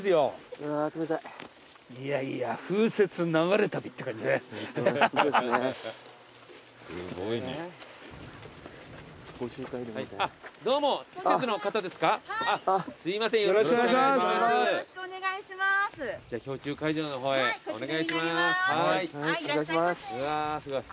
うわーすごい。